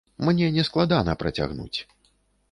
Мне не складана працягнуць.